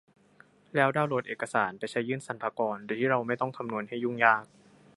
แล้วดาวน์โหลดเอกสารไปใช้ยื่นสรรพากรโดยที่เราไม่ต้องคำนวณให้ยุ่งยาก